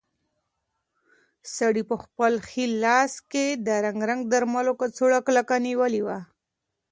سړي په خپل ښي لاس کې د رنګارنګ درملو کڅوړه کلکه نیولې وه.